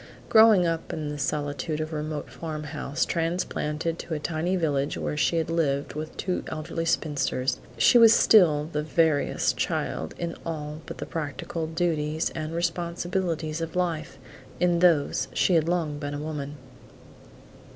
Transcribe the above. Growing up in the solitude of a remote farm house, transplanted to a tiny village where she lived with two elderly spinsters, she was still the veriest child in all but the practical duties and responsibilities of life; in those she had long been a woman.